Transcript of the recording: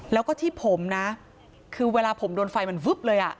แล้วก็ที่ผมนะคือเวลาผมโดนไฟมันวึ๊บเลย